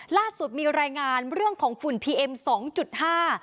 ล่าสุดมีรายงานเรื่องของฝุ่นพีเอ็มสองจุดห้า